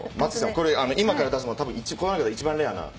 これ今から出すのこの中で一番レアな。